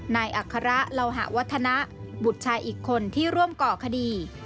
อัคระเหล่าหะวัฒนะบุตรชายอีกคนที่ร่วมก่อคดี